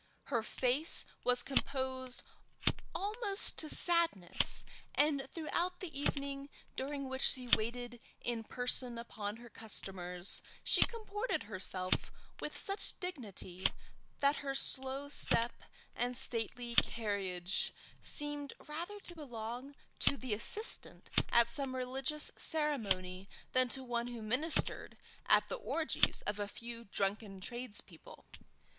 Her face was composed, almost to sadness, and throughout the evening, during which she waited in person upon her customers, she comported herself with such dignity, that her slow step and stately carriage seemed rather to belong to the assistant at some religious ceremony than to one who ministered at the orgies of a few drunken tradespeople.